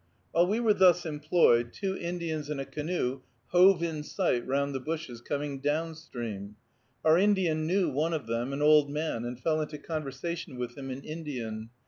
While we were thus employed, two Indians in a canoe hove in sight round the bushes, coming down stream. Our Indian knew one of them, an old man, and fell into conversation with him in Indian.